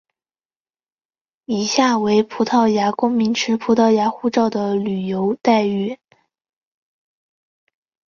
以下为葡萄牙公民持葡萄牙护照的旅游待遇。